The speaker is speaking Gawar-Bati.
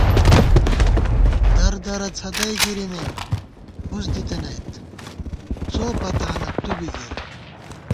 دردرہ څھدَئی گِرِمېم، فُس دِتَنَئیت ، څو پتانہ تُو بی گِر